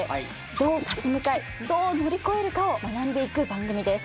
どう立ち向かいどう乗り越えるかを学んでいく番組です。